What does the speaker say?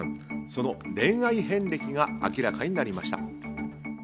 その恋愛遍歴が明らかになりました。